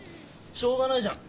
しょうがないじゃん。